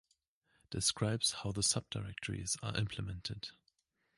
Describes how the subdirectories are implemented.